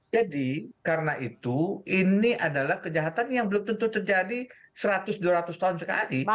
jadi karena itu ini adalah kejahatan yang belum tentu terjadi seratus dua ratus tahun sekali